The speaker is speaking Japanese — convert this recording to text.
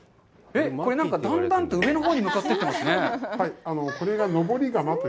えっ、これ、何かだんだんと上のほうに向かっていってますね。